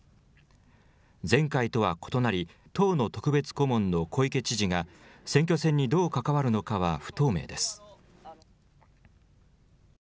前回とは異なり、党の特別顧問の小池知事が選挙戦にどう関わるのかは不透明です。